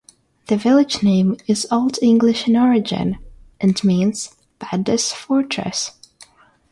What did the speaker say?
The village name is Old English in origin, and means 'Padda's fortress'.